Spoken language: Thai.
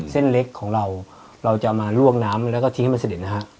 เส้นเล็กของเราเราจะมาล่วงน้ำแล้วก็ทิ้งให้มันเสด็จนะฮะ